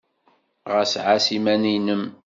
Ɣas ɛass iman-nnem!